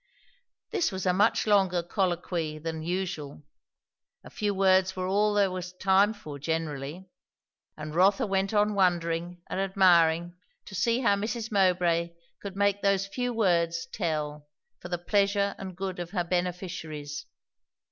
This was a much longer colloquy than usual; a few words were all there was time for, generally; and Rotha went on wondering and admiring to see how Mrs. Mowbray could make those few words tell for the pleasure and good of her beneficiaries.